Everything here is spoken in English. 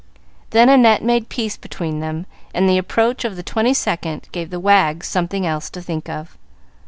Then Annette made peace between them, and the approach of the Twenty second gave the wags something else to think of.